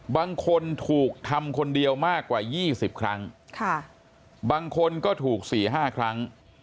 บางคนถูกทำคนเดียวมากกว่ายี่สิบครั้งบางคนก็ถูกสี่ห้าครั้ง